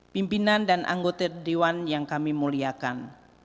pimpinan dan anggota dewan yang kami muliakan